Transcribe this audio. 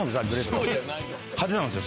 派手なんですよ